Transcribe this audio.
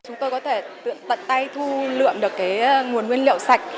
chúng tôi có thể tận tay thu lượm được nguồn nguyên liệu sạch